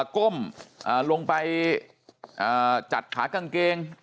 ก้มลงไปจัดขากางเกง